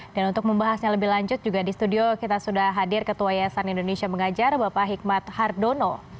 dan untuk membahasnya lebih lanjut juga di studio kita sudah hadir ketua yayasan indonesia mengajar bapak hikmat hardono